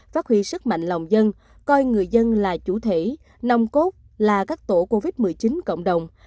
phát huy sức mạnh lòng dân coi người dân là chủ thể nông cốt là các tổ covid một mươi chín cộng đồng